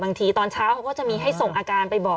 ตอนเช้าเขาก็จะมีให้ส่งอาการไปบอก